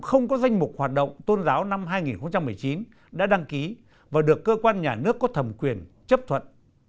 không có danh mục hoạt động tôn giáo năm hai nghìn một mươi chín đã đăng ký và được cơ quan nhà nước có thẩm quyền chấp thuận